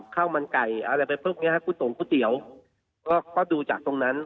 ข้าวมันไก่อะไรไปพวกเนี้ยฮะกุตงก๋วยเตี๋ยวก็ก็ดูจากตรงนั้น